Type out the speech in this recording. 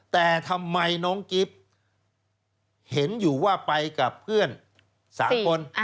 แต่ทำไมน้องกิฟต์เห็นอยู่ว่าไปกับเพื่อน๓คน